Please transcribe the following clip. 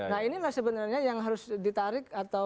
nah inilah sebenarnya yang harus ditarik atau